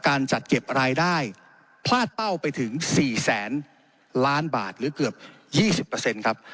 การจัดเก็บรายได้พลาดเป้าไปถึงสี่แสนล้านบาทหรือเกือบยี่สิบเปอร์เซ็นต์ครับ